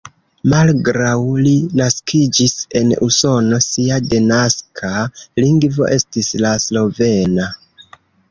Malgraŭ li naskiĝis en Usono, sia denaska lingvo estis la slovena.